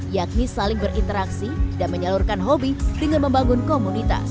yakni saling berinteraksi dan menyalurkan hobi dengan membangun komunitas